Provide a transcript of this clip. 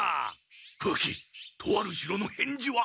風鬼とある城の返事は？